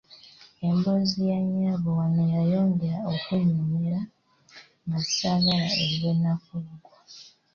Emboozi ya nnyabo wano yayongera okunnyumira nga ssaagala eggwe na kuggwa.